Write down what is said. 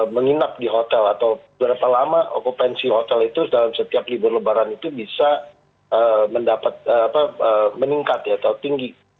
menginap di hotel atau berapa lama okupansi hotel itu dalam setiap libur lebaran itu bisa meningkat atau tinggi